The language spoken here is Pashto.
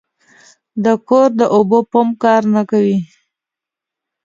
د کور د اوبو پمپ کار نه کاوه.